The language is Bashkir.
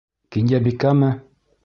Кинйәбикәме?